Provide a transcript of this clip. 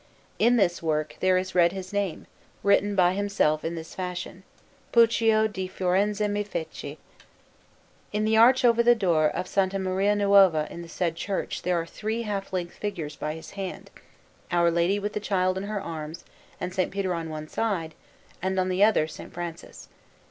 In this work there is read his name, written by himself in this fashion: PUCCIO DI FIORENZA ME FECE. In the arch over the door of S. Maria Nuova in the said church there are three half length figures by his hand, Our Lady with the Child in her arms, and S. Peter on one side, and on the other S. Francis.